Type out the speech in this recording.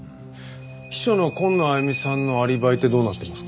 秘書の紺野亜由美さんのアリバイってどうなってますか？